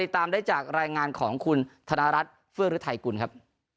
ตามได้จากรายงานของคุณธนรัฐเฟื้องฤทัยกุลครับ